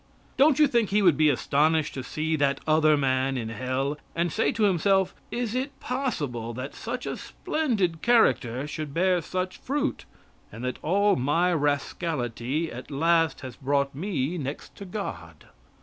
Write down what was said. Don't you think he would be astonished to see that other man in hell, and say to himself, "Is it possible that such a splendid character should bear such fruit, and that all my rascality at last has brought me next to God?"